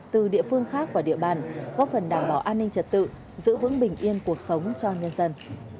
từ địa phương khác vào địa bàn góp phần đảm bảo an ninh trật tự giữ vững bình yên cuộc sống cho nhân dân